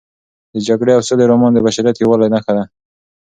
د جګړې او سولې رومان د بشریت د یووالي نښه ده.